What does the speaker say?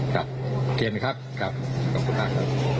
ครับเคนครับขอบคุณครับ